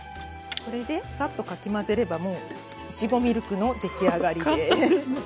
これでさっとかき混ぜればもういちごミルクの出来上がりです。